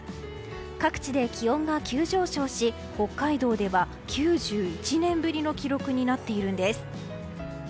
各地で気温が急上昇し北海道では９１年ぶりの記録になっているんです。